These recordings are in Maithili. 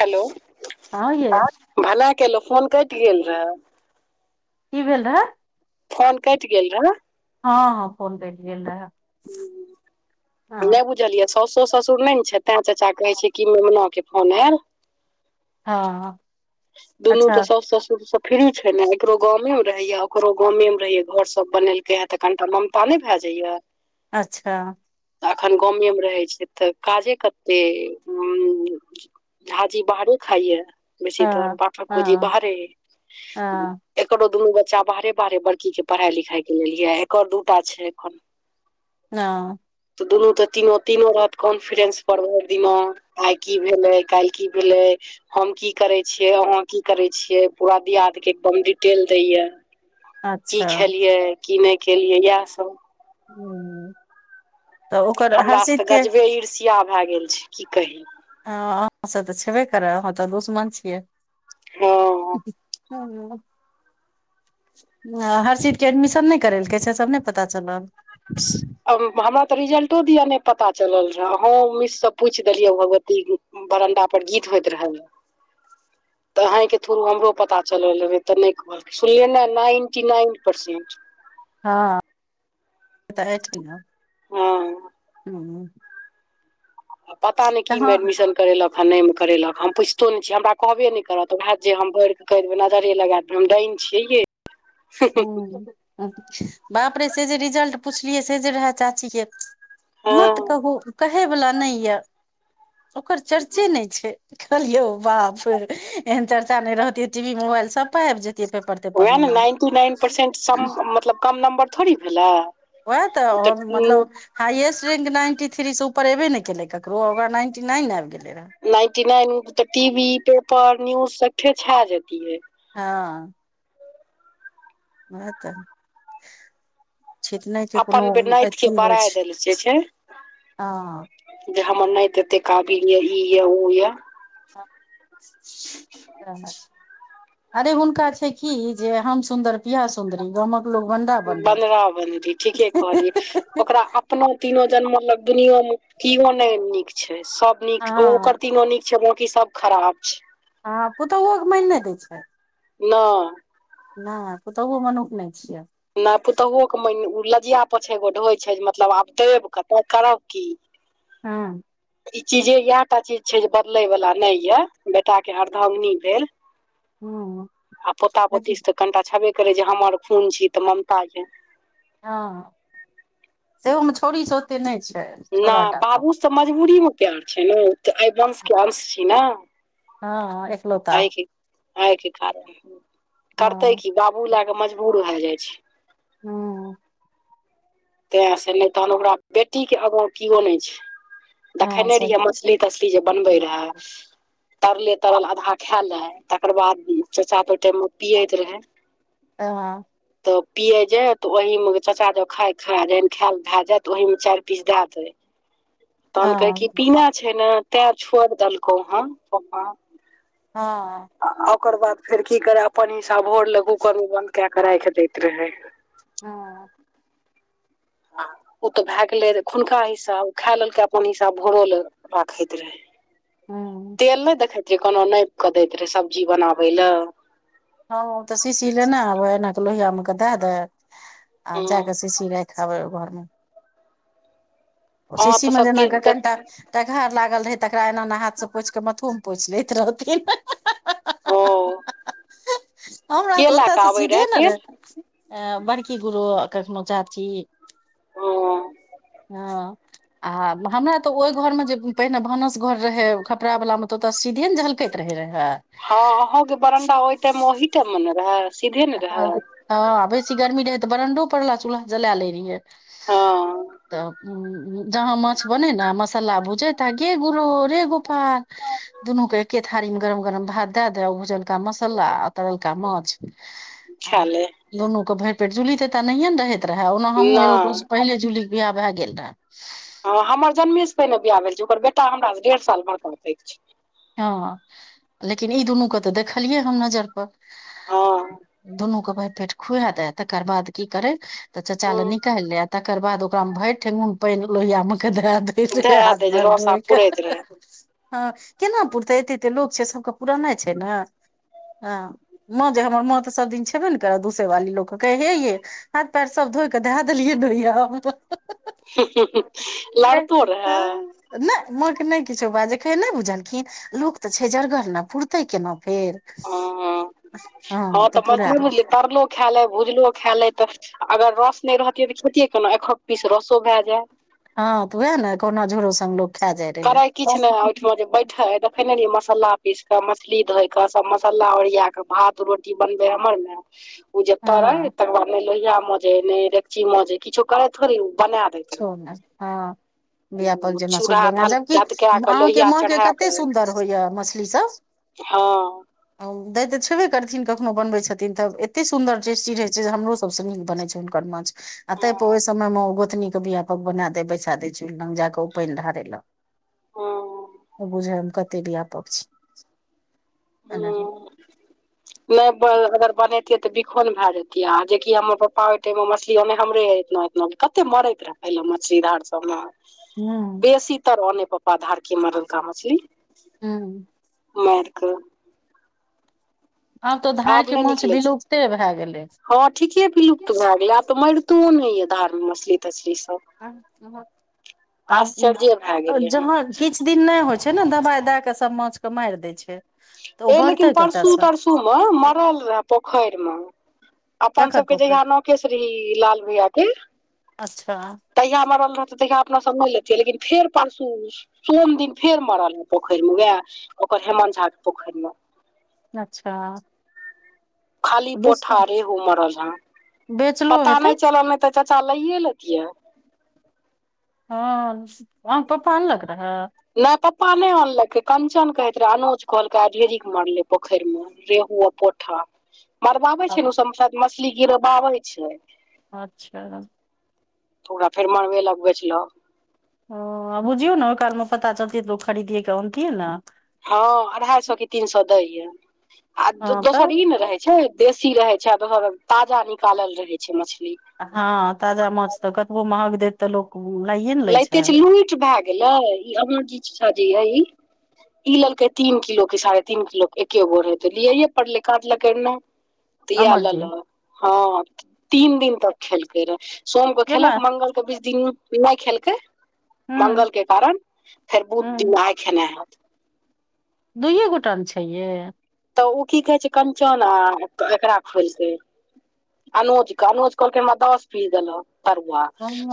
हेलो हँ यै [unintelligible] भला केलहुं फोन कटि गेल रेहाए। की भेल रहै फोन केट गेल रहै हाँ हाँ फोन केट गेल रहै नहि बुझलियै साउसो ससुर नहि ने छै तै चाचा कहैत छै कि मोमनाके फोन आयल। हाँ दुनू तऽ साँसु ससुर सँ फ़्री छै ने एकरो गामे मे रहया ओकरो गामे मे रहेया घर सब बनेलके ह तऽ कनटा ओमे पाने भए जाइयो अच्छा एखन गामे रहै छै तऽ काजे कतेक [inaudible] झाजी बाहरे खाइय बेसी तर हँ पाठको जी हँ बाहरे। हँ एकरो दुनू बच्चा बाहरे बाहरे बड़की के पढ़ाई लिखाई के लेल ये एकर दूटा छै हाँ। [inaudible] तऽ दुनू तऽ तीनो तीनो रहत कॉन्फिडेंस भैर दिना आइ की भेलै काल्हि की भेलै हम की करे छिय अहाँ की करे छियै पूरा दियाद के एकदम डिटेल दैय ये कि अच्छा खेलियै कि नहि खेलियै इएहा सब हूँ तऽ ओकर हमरा से हर्षित तऽ के गजबे ईर्षिया भए गेल छै की कही हाँ अहाँसे तऽ छेबे करै अहाँ तऽ दुश्मन छियै हँ हूं [inaudible] हर्षित के एडमिशन नहि करेलकै सब नहि पता चलल ब [inaudible] हमरा तऽ रिजल्टो दिया नहि पता चलल रह अहू मिस से पूछ देलियै भगवती बरनडा पर गीत होयइत रहत तऽ अहें के थ्रू हमरो पता चलल रहेे [unintelligible] ते नहि। सुनलिये ने नैन्टी नाइन परसेंट। हाँ [unintelligible] बता छी। हाँ हूं। [inaudible] पता नहि ने की मे एडमिशन। करेलक आ नहिमे करेलक हम पुछितो नहि छीयै हमरा कहबे नहि करत तऽ भाग जे हम बढ़ कऽ कहि देबै नजरे लगा देब। हम डायन छियै बाप रे से जे रिजल्ट पुछलियै से जे रहए चाचीे के मत हँ कहू कहैवला नहि यऽ ओकर चर्चे नहि छैय कहलियौ बाप रे एहन चर्चा नहि रहतै टी वी मोबाइल सब पर सब पर आबि जतिये पेपर तेपर वएह मे ने नाइन्टी नाइन परसेंट सब कम नम्बर थोड़ी भेलै वएह ऊ तऽ मतलब हाइएस्ट रैंज नाइन्टी थ्री से उपर एबे नहि केलै ककरो ओकरा नाइन्टी नाइन आब गेले रहै। नाइन्टी नाइन तऽ टी वी पेपर न्यूज सब पर छा जतिये हाँ उयहा तऽ छीटना के कोनो अपन नाति के अथी होइ बड़ाय छै देल जे छै हँ जे हमर नैत एते काबिल य इ यऽ ओ यऽ [inaudible] अरे हुनका छै की जे हम सुन्दर पियाह सुन्दरी गामक। लोग बंडा बंडी बनरा बनरी ठीके कहलियै ओकरा अ एनो तीनो जन्म लग दुनियो मे किओ नहि नीक छै सब। नीक हँ ओकर तीनो नीक छैय बाकी सब खराब छै हँ पुतौहु के मैन नहि दै छै न। न पुतहु मनुख नहि छियै नहि पुतोहुओ के म लजिया पोछे गो ढोइ छै जे मतलब आब देब कऽ तऽ करब की हँ। ई चीजे इएह टा चीज छै जे बदले वाला नहि ये बेटा के अर्धांगिनी भेल हँ आ पोता देखी पोती तऽ कनिटा छेबे करै जे हमर खून छी तऽ ममता यो हँ सेहोमे छोड़ी [unintelligible] नहि छै छौड़ा नहि टा सँ बाबू त मजबूरी मे प्यार छै ने तऽ ए वंश के अंश छी ने हँ एक लोग एहिके एहिके कारण करतै हँ की बाबू लए कऽ मजबूर भए जाइ छै हँ। तें से नहि तहन ओकरा बेटी के आगा किओ नहि छै हँ देखैयने से रहियै मछली तछली जे बनबै हँ रहय तरले तरल आधा खायए लैय तकर बाद चच्चा त ओहि टाइम मे पियैत रहै तऽ हँ [unintelligible] तऽ पिये जे तऽ ओह मे चाचा जो खाय खा [unintelligible] दे खायल भए जायत ओहि मे चारि पीस द देते तहन कहै की हँ पीना छै ने तैं छोड़ देलकौ हन पपा हँ आ ओकर बाद फेर की करे अपन हिसा भोर लै कुकर मे बन्द क क राखि दैत रहे। हँ। आ ओ तऽ भए गेलै खुनका हिसाब ओ खा लेलकै अपन हिसाब भोरो लऽ राखैत रहै तेल नहि देखैत रै कोनो नापि कऽ दैत रहे सब्जी सभ बनाबै लए हँ तऽ शीशी लेने आबै एना कऽ लोहिया मे क दए दे आ हँ जाक से शीशी रैख आबै घोर में अहाँ शीशी तऽ में जेनाक सभचीज देख कनिटा टघहर लागल रहै तकरा एना एना हाथ से पोछि क के मथुम। पूछनैत रहथि ह ह ह ओ ह हा हमरा के तऽ लए ओतऽ कऽ त आबै सीधे रहै ने तेल रहे अ बड़की गुरु कखनो चाची ओ हँ। आ हमरा तऽ ओहि घोर में जे पहिने भानस घोर रहे कपड़ वला मे तऽ ओतऽ सीधे ने झलकैत रहे रहे टा महिटा मने रह। हँ हँ बेसी गर्मी रहै तऽ बरण्डो पड़ला चूल्हा जला लैत रहियै। हँ तऽ उ जहाँ माछ बने न मसाला भुजेता गे गुरो रे गोपाल। दुनू के एके थारी मे गरम गरम भात दए द भुजलका मसाला आ तरलका माछ। आ ख्याले दुनू के भरि पेट जूली तेता न नहिये ने रहैत रहे ओना हमूँ एलौ त नहि पहिले जूली बियाह भए गेल रह हँ हमर जन्मे से पहिने बियाह भेल छै। ओकर बेटा हमरा से डेढ़ साल मे करतै हँ लेकिन ई दुनू के तऽ देखलियै। हम नजर पर हँ दुनूके भैर पेट खुआ लै तकर बाद की करे तऽ चाचा हँ ले निकाल ले आ तकर बाद ओकरा में भरि ठेंगुन पानि लोहिया मे के द दे धए हथ दै जे भर रस द आब एक पुरैत रहै हँ केना पुरतै एते एते लोक छै। सभ के पुराना छै। ने हँ। माँ जे हमर माँ तऽ सभ दिन छेबे ने करै दूसेवाली लोक के कहै हे ये हाथ पैर सभ धोइ कऽ धहा देलियै। लड़कों रहै हँ नहि माँके नहि किछो बाज नहि बुझलखिन। लोक तऽ छै। जरगर ने पुरतै केना फेर हाँ हँ हाँ तऽ पूरा मछली बुझल तरलो खाय ले भुजलो खाय ले तऽ अगर रस नहि रहतियै तऽ खेतीयै केना एक पीस रसो भ जाय हँ तऽ वएह ने कोना झोरो स लोक खा जाइ रहै करै किछु नहि ओहिठ में जे बैठ छै। देखेने रहिये मसालला पीस के मछ। ली धोई के सभी मसालला ओरिया क भात रोटी बनबे हमर ने [inaudible] उ जे तरे हँ तकर बाद ने लोहिया मंज हे ने रेकची मज हे किछो करे थोड़ी ओ बना दे। छै। हँ लपल ओ जेना सु चूल्हा ल धल जबकि धतका कऽ अहाँके लोहिया माँ के चढ़ा कते कऽ सुन्दर होइया। मछली सभ हँ आ दै तऽ छेबे करथिन कखनो बनबै छथिन। त एते सुंन्दर टेस्टी रहे छै। जे हमरो सभ से नीक बन छै। हुनकर माछ आ त ओहि समय मे गोतनी बियापक बना दे बैसा दे चू लग जााकऽ ओ पानि ढारे ल हँ त बुझ हम कते भी आब छी एना हूँ हँ नहि अगर बनेतिये तऽ बिखोन भए जतिय आ जेकि हमर पप्पा ओहि टाइम में मछली ओने हमरे एत। कते मरैत रहे पहिले मछली धार सभ में बेसी तर ओने पापा धारकेी मरलका मछली हँ उरक। आब तऽ धार के नहि माछ निकलै छै विलुप्ते भए गेलै हँ ठीके बिलुप्त भए गेलै आब तऽ मारितो ने या धार मे मछली तछली सब [inaudible] आब आश्चर्ये भए गेलै हँ जहाँ किछ दिन नय होइ छै न दवाइ दए कऽ सब माछके माइर दै छै तऽ ओ हे लेकिन बढ़तै परसू कतयसँ तरसू मे मरल रहय पोखरि मे अपन ककर सभके पोखरि जहिया नौ केश रहै लाल भैया के अच्छा तहिया मरल रहतै तहिया अपना सब नय लेतियै लेकिन फेर परसू सोम दिन फेर मरल हे पोखेर मे उएह ओकर हेमत झा के पोखेर म अच्छा खाली बेच पोठारी एगो मरल ह बेचलो पता हेतै नय चलल नय तऽ चाचा लैए लेतियै हँ अहाँ क पप्पा आनलक रहै नय पप्पा नय अनलकै कंचन कहैत रहे अनोज कहलकै ढेरिक मरले पोखरि मे रेहू आ पोठा मरबाबै छै ने ओ सभ मतलब मछली गिरबाबै छै अच्छा [unintelligible] तऽ ओकरा फेर मनबेलक बेचलक ओ बुझियौ ने ओइ काल मे पता चलतै तऽ लोक खरीदए के अनतै न हँ अढ़ाई सए की तीन सए दै य आ हँ तऽ दोसर ई ने रहै छै देसी रहे छै आ दोसर ताजा निकालल रहे छै मछली हँ ताजा माछ तऽ कतबो महग देत तऽ लोक लाइए ने लै छै [unintelligible] [unintelligible] ई लेलकै तीन किलो के साढ़े तीन किलो के एके गो रहे ते लिये पड़ले काटलके यर नै [inaudible] तऽ यैह जी लल हक हाँ तीन दिन तक खेलकै रहे सोम के गे माय खेलक मंगल के बीच दिन नय खेलकै हूँ मंगल के कारण फेर बुध हूँ दिन आइ खेने हैत दुइए गोटा ने छै यै तऽ ओ की कहे छै कंचन आ एकरा खुएलकैय अनज के अनज कहलक हमरा दस पीस देलक तरुआ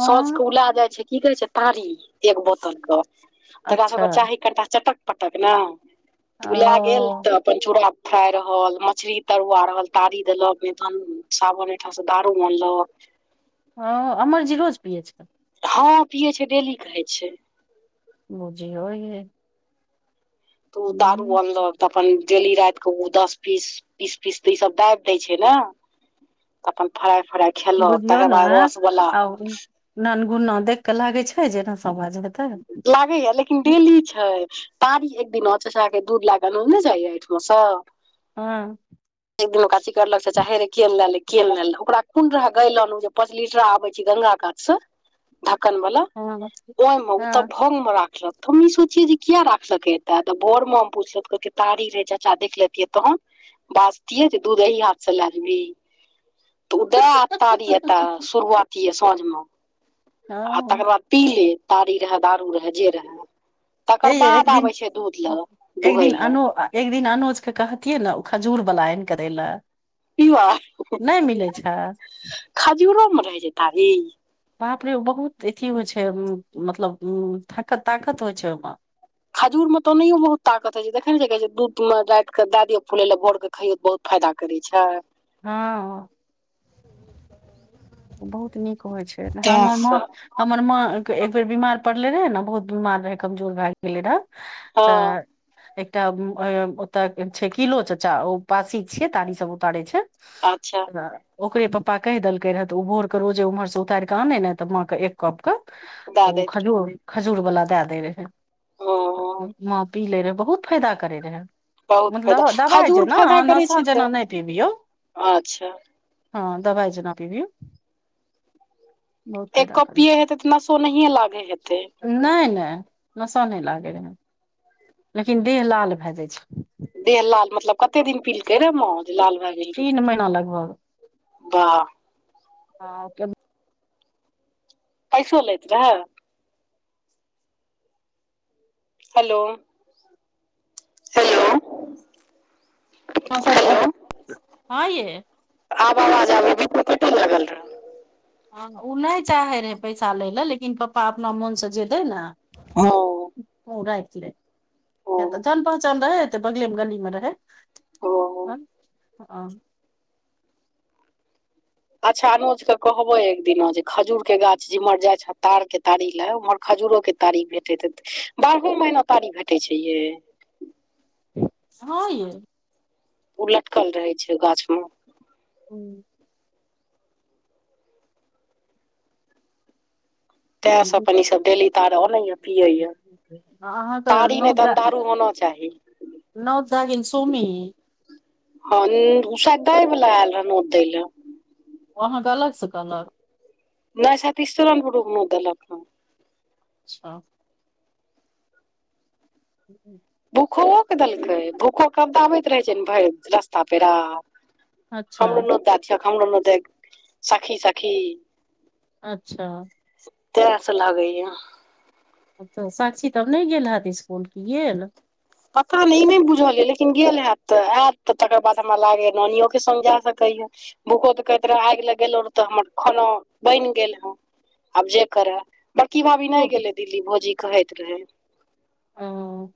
सौझ के उला जाय छै की कहै छै तारी एक बोतल के तरा अच्छा सबके चाही कनिटा चटक पटक न ओ उ ला गेल तऽ अपन चूड़ा फ्राइ रहल मछली तरुआ रहल तारी देलक नइतन साबन ओइठाम से दारू अनलक हँ अमर जी रोज पीयै छै हँ पियै छै डेली कहै छै बुझियौ यै तऽ उ दारू हूँ अनलक तऽ अपन डेली राइत कऽ ओ दस पीस पीस पीस तऽ ई सब दाइब दै छै न तऽ अपन फराइ फराइ खेलक तकर बाद रसवला ननगुना देख कऽ लागै छै जे नसाबाज हेतै [unintelligible] लेकिन डेली छै तारी एक दिन चचाकेे दूध लागल नय जायए एहिठुमासँ हँ [unintelligible] एक दिन ओकरा चीकरलक चचा हे रे की अनले हे की अनले हे ले ओकरा कोन रहे गायलन जे पांच लीटरा आबे छै गंगा कात से ढाकन वाला हँ ओहिमे ओ तऽ हँ भंग मे राखलक तऽ हम ई सोचियै जे किया राखलकै एतऽ तऽ भोर मे हम पूछलियै तो कहे तारी रहे चाचा देख लेतिय तऽ तहन बाजतियै जे दूध एही हाथसँ। लए लेबही तऽ उदय तारी येऽ तऽ शुरुआती येऽ साँझ मे आ तकर हँ। बाद पी ले तारी रहै दारू रहे जे रहै हे तकर यै बाद एक आबै दिन छै। दूध ले एक दुहै दिन ले अनो एक दिन अनुज के कहथिन। ने ओ खजूर बला आनि के दै ले पिबा नहि मिलै छै। खजूरो मे रहै छै। तारी बाप रे बहुत अथी होइ छै। मतलब उ ताकत ताकत होइ छै। ओहि में खजूर मे तऽ ओनहियो बहुत ताकत होय छै। देखै नै छियै जे कहै छै। जे दूध मे राति के दए दियौ फुले ले भोर के खाइयो तो बहुत फायदा करै छै। हँ। बहुत नीक होइ छै हमर माँ हमर माँ एक बेर बीमार पड़ले रहै ने बहुत बीमार रहै कमजोर भए गेल रहै ने हँ तऽ एकटा ओतऽ छै। किलो चाचा ओ पासी छियै तारी सभ तारै छै। अच्छा ओकरे पप्पा कहि देलकै रह तऽ ओ भोर कऽ रोजे उम्हर से उतारिक कऽ आने ने तऽ माँ क एक कप क दए ओ दैत रहै खजूर खजूर वला दए देय हँ रहै पी ले रहै बहुत फायदा करै रहै। बहुत फायदा मतलब दबाइ खजूर जेना फायदा अओ करै नशा छै जेना तऽ नहि पिबियौ अच्छा हँ दवाइ जेना पिबियौ। एक फायदा कप करै पीयै हेतै तऽ नसो नहिये। लागै हेतै नै नै नशा नहि लागै रहै। लेकिन देह लाल भए जाइ छै। देह लाल मतलब कते दिन पीलकै रे मा जे लाल भए गेल रहै तीन महीना लगभग बाह हँ। पैसोल अत रह। हेलो हेलो हॅं शायद हेलो आओत हँ यै आब आवाज आबैय काटऽ लागल रहे हँ ओ नै चाहैत रहै पैसा लै लए लेकिन पप्पा अपना मोनसँ जे दै ने हँ ओ र रहै हँ तऽ जान पहचान रहैत बगले मे गनी मे रहै ओ आ ह अच्छा अनुजके कहबै एक दिना जे खजूर के गाछ जेम्हर जाइ छ। तार के तारी लए उम्हर खजूरो तारीख भेटे त बारहो महीना तारीख भेटैत छै। ये हँ य ओ लटकल रहे छै गाछ। मे ह तैं सभी अप्पन ई सभ डेली तार ओनए पियैएा अहाँ त न होना चाही नौ दागिन सुमी हँन उषा दय वला आयल रहै नोद दै लए ओ अहाँके अलग स कहलक नै सेत तीस्तरन पुुर म त लक्न [unintelligible] अच्छा हूँ भूखो के देलकै भूखो कबदा आबैत रहै छै ने भरि रस्ता पेरा अच्छा हमरो नद छिय हमरो नद सखी सखी अच्छा तैंस लागैया। तऽ साक्षी तब नै गेल हत इसकुल की गेल। पता नै ई नै बुझल यै लेकिन गेल हएत तऽ आयत त तकर बाद हमरा लागैय नानियो के संग जा सकैया भूखो त कहैत रहे आगि लग गेलो रहए तऽ हमर खाना बनि गेल हँ आब जे करए बड़की भाभी नै ओ गेलै दिल्ली भौजी कहैत रहै। ओ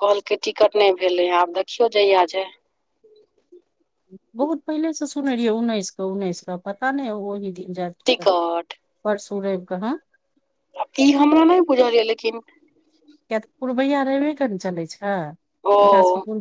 कहलकै टिकट नै भेलै हँ आब देखियौ जहिय जेय। बहुत पहिले स सुनने रहियै उन्नैस क उन्नैस क पता नै ओहि दिन जा। टिकट परसूरैव क हाँ ई हमरा नै बुझल यै लेकिन किया तऽ पूर्वैया रैबे के ने चलै छै एकरा स ओ कुन